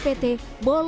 boleh diteken oleh spt